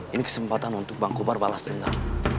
ini kesempatan untuk bang kobar balas dendam